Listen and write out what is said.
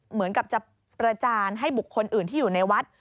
เหมือนกับจะประจานให้บุคคลอื่นที่อยู่ในวัด